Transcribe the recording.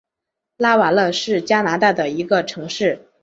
拉瓦勒是加拿大的一个城市。